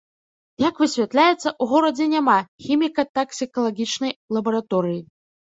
Як высвятляецца, у горадзе няма хіміка-таксікалагічнай лабараторыі.